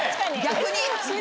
逆に。